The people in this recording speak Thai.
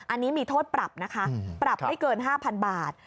อันนี้มีโทษปรับนะคะปรับไม่เกิน๕๐๐๐บาท